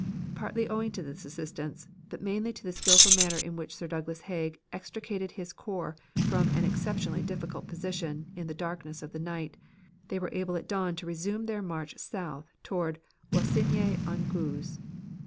Partly owing to this assistance, but mainly to the skilful manner in which Sir Douglas Haig extricated his corps from an exceptionally difficult position in the darkness of the night, they were able at dawn to resume their march south toward Wassigny on Guise.